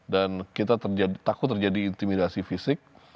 dan kita takut terjadi intimidasi fisik